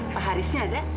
pak harisnya ada